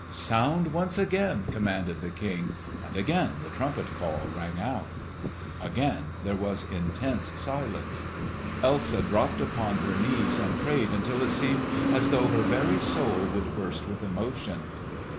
"Sound once again!" commanded the King, and again the trumpet call rang out. Again there was intense silence. Elsa dropped upon her knees and prayed until it seemed as though her very soul would burst with emotion.